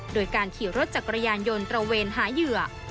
โดยการขี่รถจักรยานยนต์ตระเวนหาเหยื่อ